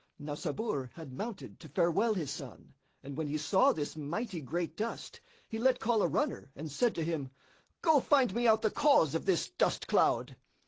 Now Sabur had mounted to farewell his son, and when he saw this mighty great dust, he let call a runner and said to him, "Go find me out the cause of this dust cloud."